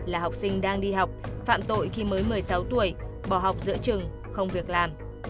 là học sinh đang đi học phạm tội khi mới một mươi sáu tuổi bỏ học giữa trường không việc làm